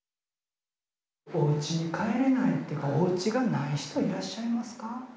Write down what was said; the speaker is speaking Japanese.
おうちに帰れないおうちがない人いらっしゃいますか？